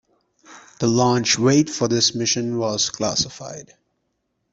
The launch weight for this mission was classified.